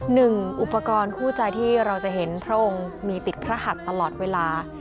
หนึ่งอุปกรณ์คู่ใจที่เราจะเห็นพระองค์มีติดพระหัสตลอดเวลา